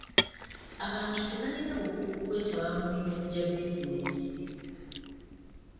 Abantu tebalina bukugu kwetaba mu mirimu gya bizinensi.